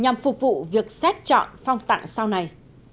nhằm phục vụ việc xét chọn phong tặng sau này